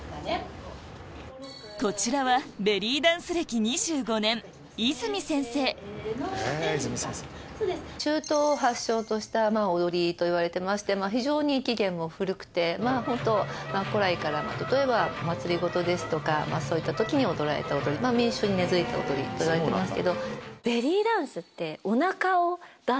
こちらはベリーダンス歴２５年中東発祥とした踊りといわれてまして非常に起源も古くて古来から例えばお祭り事ですとかそういった時に踊られた踊りが民衆に根付いたといわれてます。